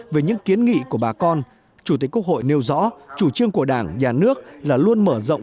về những kiến nghị của bà con chủ tịch quốc hội nêu rõ chủ trương của đảng nhà nước là luôn mở rộng